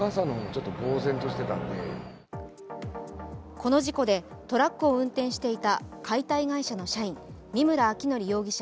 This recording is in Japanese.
この事故でトラックを運転していた解体会社の社員見村彰紀容疑者